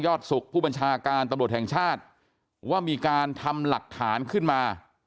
สุขผู้บัญชาการตำรวจแห่งชาติว่ามีการทำหลักฐานขึ้นมา